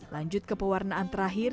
lanjut ke pewarnaan terakhir